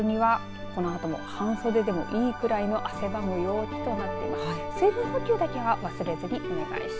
きょうの日中出かけるにはこのあとも半袖でもいいくらいの汗ばむ陽気となっています。